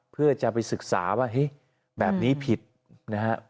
เพื่อจะไปศึกษาว่าเฮ้ยแบบนี้ผิดนะฮะ